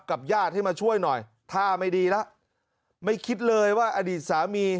ญาติให้มาช่วยหน่อยท่าไม่ดีแล้วไม่คิดเลยว่าอดีตสามี